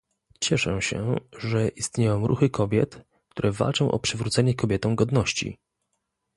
Cieszę się, że istnieją ruchy kobiet, które walczą o przywrócenie kobietom godności